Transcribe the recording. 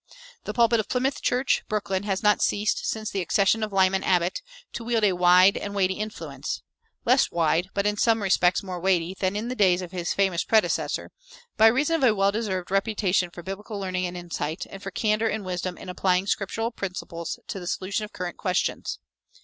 The pulpit of Plymouth Church, Brooklyn, has not ceased, since the accession of Lyman Abbott, to wield a wide and weighty influence, less wide, but in some respects more weighty, than in the days of his famous predecessor, by reason of a well deserved reputation for biblical learning and insight, and for candor and wisdom in applying Scriptural principles to the solution of current questions.